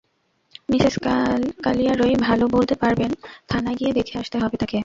Mrs কলিয়ারই ভালো বলতে পারবেন, থানায় গিয়ে দেখে আসতে হবে তাঁকে।